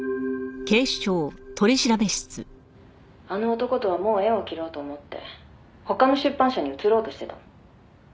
「あの男とはもう縁を切ろうと思って他の出版社に移ろうとしてたの」